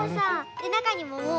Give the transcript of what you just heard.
でなかにももう。